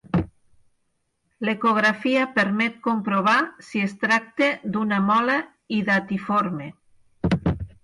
L'ecografia permet comprovar si es tracta d'una mola hidatiforme.